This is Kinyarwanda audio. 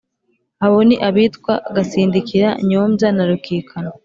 Abo ni abitwa: Gasindikira, Nyombya na Rukikana.